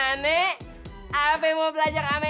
ane apa yang mau belajar ane